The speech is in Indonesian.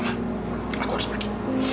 aku harus pergi